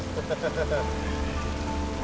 tuh tuh tuh